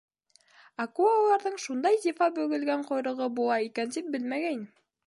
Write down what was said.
— Акулаларҙың шундай зифа бөгөлгән ҡойроғо була икән тип белмәгәйнем!